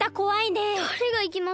だれがいきます？